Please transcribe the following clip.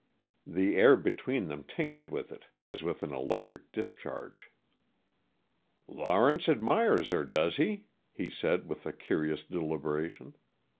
The air between them tingled with it as with an electric discharge. "Lawrence admires her, does he?" he said, with a curious deliberation.